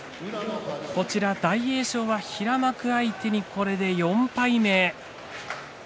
こちら大栄翔は平幕相手にこれで４敗目。